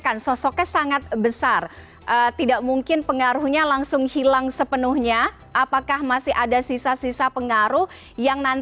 kemudian terjadi penyalahgunaan kewenangan